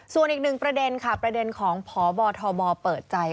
ส่วนอีกหนึ่งประเด็นค่ะประเด็นของพบทบเปิดใจ